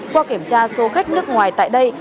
qua kiểm tra số khách nước ngoài tại đây